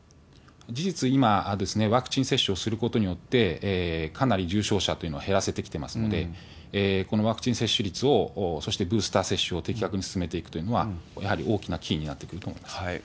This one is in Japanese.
事実、今、ワクチン接種をすることによって、かなり重症者というのは減らせてきてますので、このワクチン接種率を、そして、ブースター接種を的確に進めていくというのは、やはり大きなキーになってくると思います。